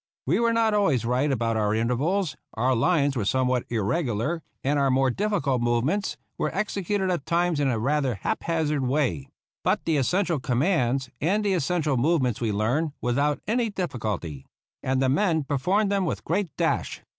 We were not always right about our intervals, our lines were somewhat irregular, and our more difficult movements were executed at times in rather a haphazard way ; but the essential commands and the essential movements we learned without any difficulty, and the men peformed them with great dash.